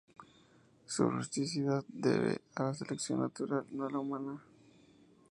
Su rusticidad se debe a la selección natural, no a la humana.